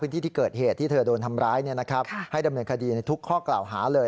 ที่ที่เกิดเหตุที่เธอโดนทำร้ายให้ดำเนินคดีในทุกข้อกล่าวหาเลย